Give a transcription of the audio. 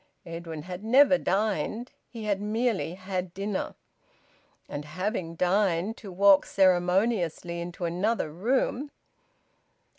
Edwin had never dined; he had merely had dinner. And, having dined, to walk ceremoniously into another room!